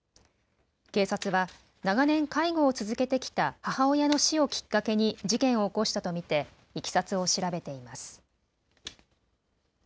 警察は長年介護を続けてきた母親の死をきっかけに事件を起こしたと見ていきさつを調べています。